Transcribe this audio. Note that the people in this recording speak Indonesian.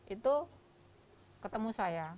itu ketemu saya